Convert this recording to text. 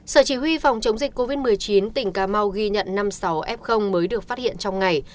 sở chỉ huy phòng chống dịch covid một mươi chín tỉnh cà mau ghi nhận năm mươi sáu f mới được phát hiện trong ngày